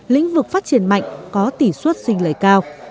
lĩnh vực phát triển mạnh có tỷ suất sinh lời cao